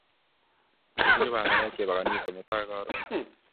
Kitinye panganet kepe kanisa mutai karon